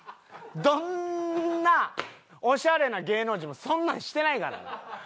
どんなオシャレな芸能人もそんなんしてないからな。